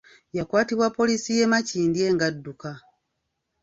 Yakwatibwa poliisi y’e Makindye nga adduka.